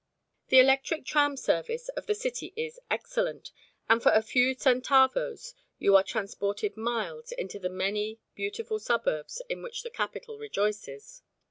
The electric tram service of the city is excellent, and for a few centavos you are transported miles into the many beautiful suburbs in which the capital rejoices.